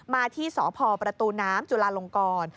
มาที่สพประตูน้ำจุลาลงกร